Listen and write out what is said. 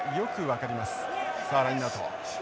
さあラインアウト。